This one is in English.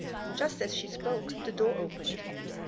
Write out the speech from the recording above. Just as she spoke the door opened.